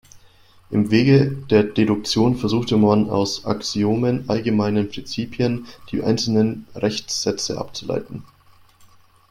Im Wege der Deduktion versuchte man aus Axiomen, allgemeinen Prinzipien, die einzelnen Rechtssätze abzuleiten.